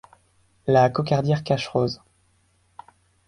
La Cocardière cache Rose.